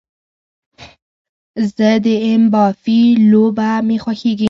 زه د ایم با في لوبه مې خوښیږي